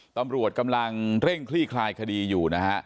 ตำรวจกำลังเร่งคลี่คลายคดีอยู่นะฮะ